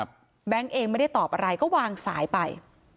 แบงค์เองไม่ได้ตอบอะไรก็วางสายไป